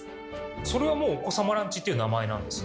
それはもう「お子様ランチ」っていう名前なんですね？